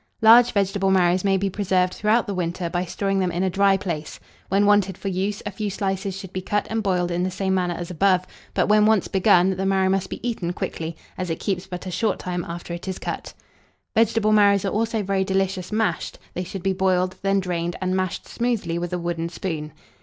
Large vegetable marrows may be preserved throughout the winter by storing them in a dry place; when wanted for use, a few slices should be cut and boiled in the same manner as above; but, when once begun, the marrow must be eaten quickly, as it keeps but a short time after it is cut. Vegetable marrows are also very delicious mashed: they should be boiled, then drained, and mashed smoothly with a wooden spoon.